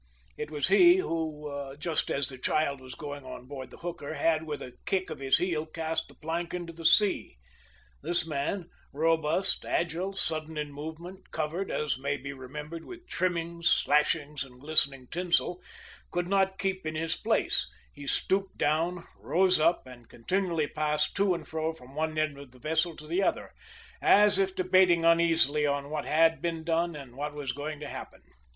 It was he who, just as the child was going on board the hooker, had, with a kick of his heel, cast the plank into the sea. This man, robust, agile, sudden in movement, covered, as may be remembered, with trimmings, slashings, and glistening tinsel, could not keep in his place; he stooped down, rose up, and continually passed to and fro from one end of the vessel to the other, as if debating uneasily on what had been done and what was going to happen.